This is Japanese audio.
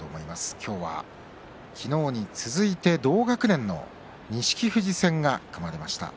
今日は昨日に続いて同学年の錦富士戦が組まれました。